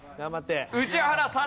宇治原さん